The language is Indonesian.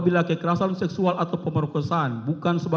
kita harus membuatnya